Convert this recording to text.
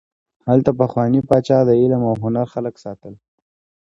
هلته پخواني پاچا د علم او هنر خلک ساتل.